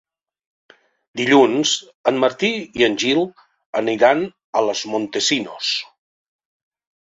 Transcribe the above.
Dilluns en Martí i en Gil aniran a Los Montesinos.